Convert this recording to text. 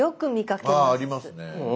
あありますね。